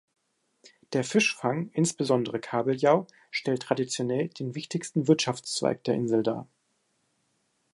Der Fischfang, insbesondere Kabeljau, stellt traditionell den wichtigsten Wirtschaftszweig der Insel dar.